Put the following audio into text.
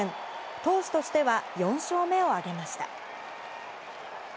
投手としては４勝目を挙げました。